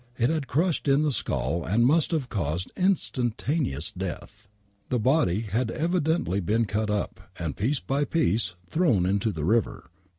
It had crushed in the skull and must have caused instantaneous death ! The body had evidently been cut up and, piece by piece, (thrown into the river.